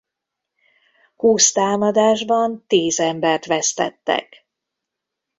Húsz támadásban tíz embert vesztettek.